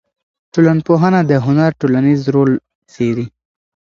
ټولنپوهنه د هنر ټولنیز رول څېړي.